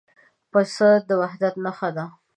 پسه د وحدت نښه ده.